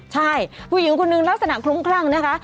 ใช่ผู้หญิงคนนึงลักษณะคลุ้มคลั่งนะคะ